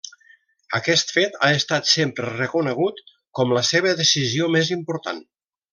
Aquest fet ha estat sempre reconegut com la seva decisió més important.